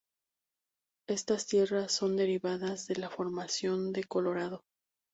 Estas tierras son derivadas de la Formación de Colorado.